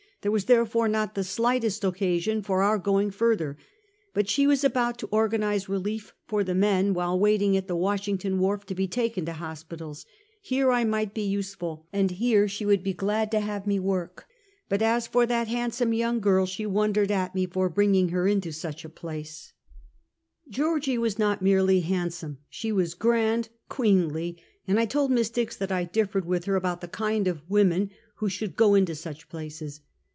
There was therefore not the slightest occasion for our going further; but she was about to organize relief for the men while waiting at the Washington wharf to be taken to hospitals. Here I might be useful, and here she would be glad to have me work; but as for that handsome young girl, she wondered at me for bring ing her into such a place. 302 Half a Centukt. Georgie was not merely handsome. She was grand, queenly; and I told Miss Dix that I differed with her about the kind of women who should go into such places.